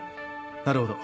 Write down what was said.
なるほど。